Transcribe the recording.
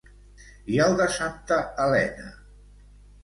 I el de santa Helena?